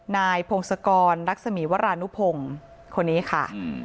นายพงศกรรักษมีวรานุพงศ์คนนี้ค่ะ